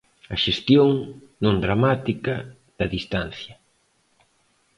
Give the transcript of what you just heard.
A xestión, non dramática, da distancia.